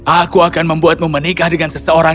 aku akan membuatmu menikah dengan seseorang